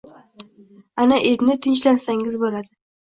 Ana endi tinchlansangiz bo’ladi